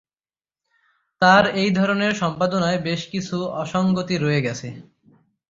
তার এই ধরনের সম্পাদনায় বেশ কিছু অসঙ্গতি রয়ে গেছে।